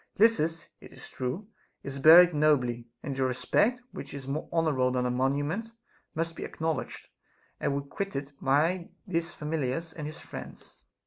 Lysis, it is true, is buried nobly, and your respect, which is more honorable than a monument, must be acknowl edged and requited by his familiars and his friends.